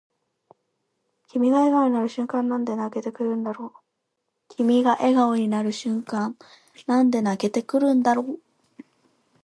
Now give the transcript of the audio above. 君が笑顔になる瞬間なんで泣けてくるんだろう